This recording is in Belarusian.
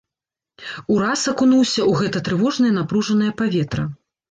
Ураз акунуўся ў гэта трывожнае напружанае паветра.